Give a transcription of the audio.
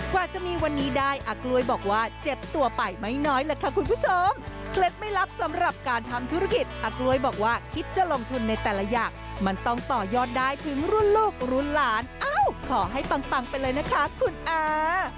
กว่าจะมีวันนี้ได้อากล้วยบอกว่าเจ็บตัวไปไม่น้อยแหละค่ะคุณผู้ชมเคล็ดไม่ลับสำหรับการทำธุรกิจอากล้วยบอกว่าคิดจะลงทุนในแต่ละอย่างมันต้องต่อยอดได้ถึงรุ่นลูกรุ่นหลานอ้าวขอให้ปังไปเลยนะคะคุณอา